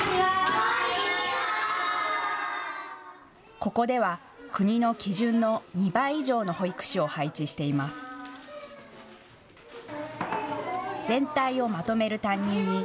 ここでは国の基準の２倍以上の保育士を配置しています。